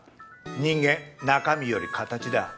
人間中身より形だ。